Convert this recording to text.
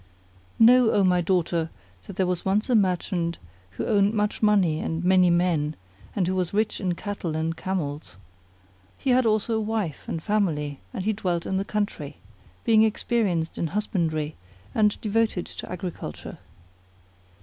Know, O my daughter, that there was once a merchant who owned much money and many men, and who was rich in cattle and camels; he had also a wife and family and he dwelt in the country, being experienced in husbandry and devoted to agriculture.